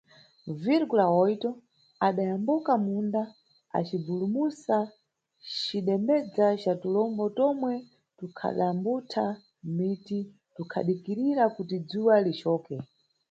Virgula Oito adayambuka munda, acibvulumusa cidembedza ca tulombo tomwe, tukhadambutha mmiti, tukhadikirira kuti dzuwa licoke.